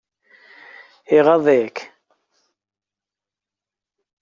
Iɣaḍ-ik?